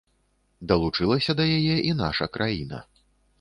Далучылася да яе і наша краіна.